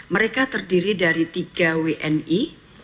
mereka terdiri dari tiga wni